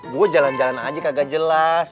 gue jalan jalan aja kagak jelas